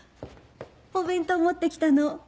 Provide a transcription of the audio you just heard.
お弁当持ってきたの。